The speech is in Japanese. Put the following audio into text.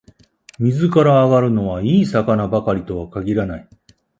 水から揚がるのは、いい魚ばかりとは限らない